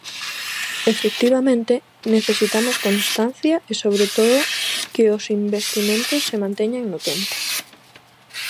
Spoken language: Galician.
Efectivamente, necesitamos constancia e sobre todo que os investimentos se manteñan no tempo.